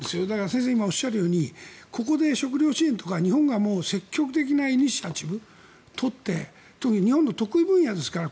先生が今おっしゃるようにここで食糧支援とか日本が積極的なイニシアチブを取って特に日本の得意分野ですから。